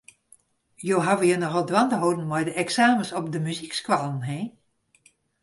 Jo hawwe jo nochal dwaande holden mei de eksamens op dy muzykskoallen, hin.